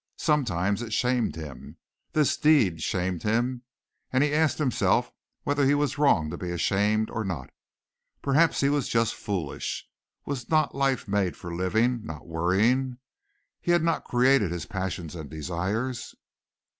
Sometimes it shamed him. This deed shamed him. And he asked himself whether he was wrong to be ashamed or not. Perhaps he was just foolish. Was not life made for living, not worrying? He had not created his passions and desires.